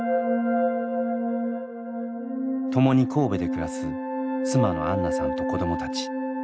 ともに神戸で暮らす妻のアンナさんと子どもたち。